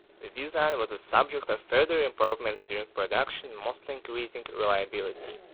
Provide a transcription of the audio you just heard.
The design was a subject of further improvements during production, mostly increasing reliability.